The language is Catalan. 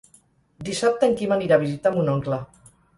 Dissabte en Quim anirà a visitar mon oncle.